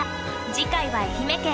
次回は愛媛県。